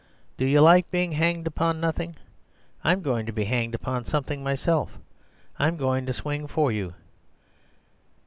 Do you like being hanged upon nothing? I'm going to be hanged upon something myself. I'm going to swing for you...